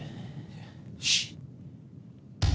よし！